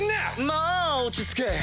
まぁ落ち着け。